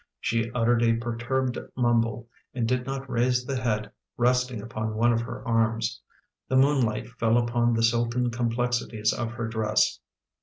She uttered a perturbed mumble and did not raise the head resting upon one of her arms. The moonlight fell upon the silken complexities of her dress.